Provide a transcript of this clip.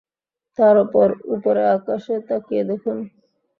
তারপর, উপরে আকাশে তাকিয়ে দেখুন!